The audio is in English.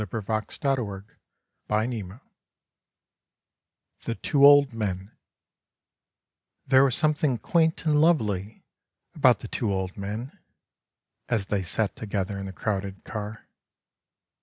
E^M^^^^^^MBMl^^MMBMII^MWj THE TWO OLD MEN nr^HERE was something quaint and lovely about •*• the two old men, As they sat together in the crowded car.